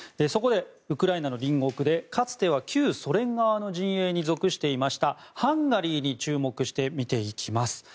そこで、ウクライナの隣国でかつては旧ソ連側の陣営に属していましたハンガリーに注目して見ていきます。